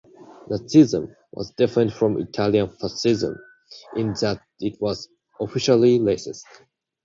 Nazism was different from Italian Fascism in that it was officially racist.